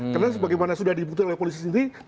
karena sebagaimana sudah dibuktikan oleh polisi sendiri